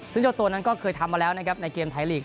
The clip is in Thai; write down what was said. ซึ่งเจ้าตัวนั้นก็เคยทำมาแล้วนะครับในเกมไทยลีก